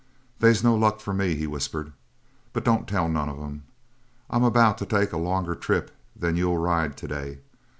"They's no luck for me," he whispered, "but don't tell none of 'em. I'm about to take a longer trip than you'll ride to day.